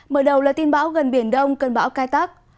mở đầu là tin bão gần biển đông cân bão cai tắc